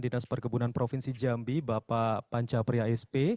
dinas perkebunan provinsi jambi bapak panca pria sp